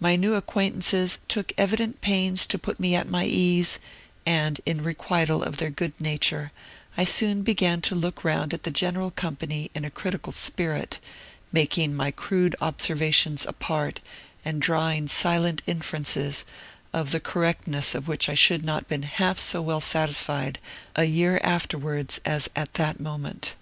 My new acquaintances took evident pains to put me at my ease; and, in requital of their good nature, I soon began to look round at the general company in a critical spirit, making my crude observations apart, and drawing silent inferences, of the correctness of which I should not have been half so well satisfied a year afterwards as at that moment.